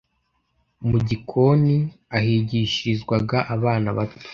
mu gikoni ahigishirizwaga abana bato.